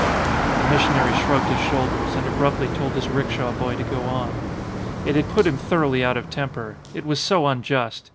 The missionary shrugged his shoulders and abruptly told his rickshaw boy to go on. It had put him thoroughly out of temper. It was so unjust.